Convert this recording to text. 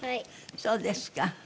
そうですか。